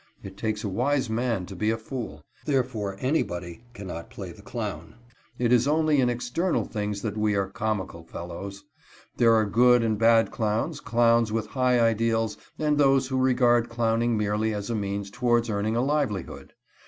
It takes a wise man to be a fool. Therefore anybody cannot play the clown. It is only in external things that we are "comical fellows." There are good and bad clowns, clowns with high ideals, and those who regard clowning merely as a means towards earning a livelihood.